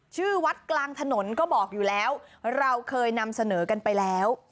ชื่อวัดกลางถนนก็บอกอยู่แล้วเราเคยนำเสนอกันไปแล้ว